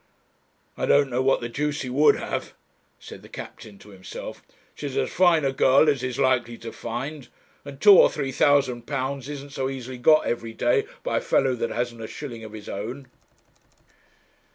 'I don't know what the deuce he would have,' said the captain to himself. 'She's as fine a girl as he's likely to find; and two or three thousand pounds isn't so easily got every day by a fellow that hasn't a shilling of his own.'